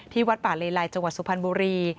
ที่วัดป่าเลลัยจังหวัดสุภัณฑ์บุรี